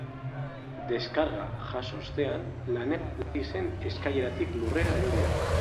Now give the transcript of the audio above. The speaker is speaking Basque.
Deskarga jaso ostean, lanean ari zen eskaileratik lurrera erori da.